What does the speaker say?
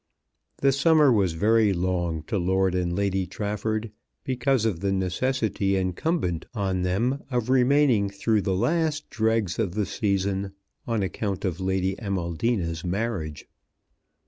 The summer was very long to Lord and Lady Trafford because of the necessity incumbent on them of remaining through the last dregs of the season on account of Lady Amaldina's marriage.